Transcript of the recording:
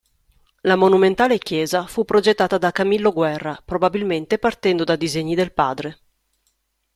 La monumentale chiesa fu progettata da Camillo Guerra, probabilmente partendo da disegni del padre.